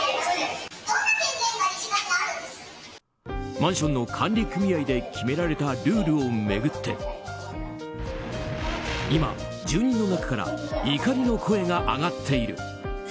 マンションの管理組合に決められたルールを巡って今、住人の中から怒りの声が上がっている。